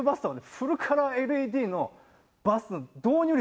フルカラーＬＥＤのバス導入率